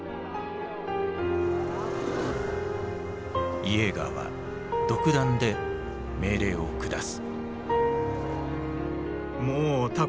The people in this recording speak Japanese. イエーガーは独断で命令を下す。